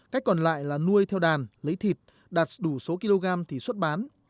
cách còn lại là nuôi theo đàn lấy thịt đạt đủ số kg thì xuất bán